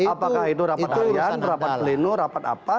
apakah itu rapat harian rapat pleno rapat apa